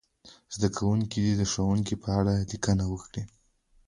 زده کوونکي دې د ښوونکي په اړه لیکنه وکړي.